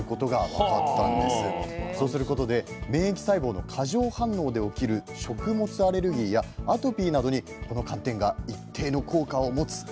そうすることで免疫細胞の過剰反応で起きる食物アレルギーやアトピーなどにこの寒天が一定の効果を持つかもしれないんです。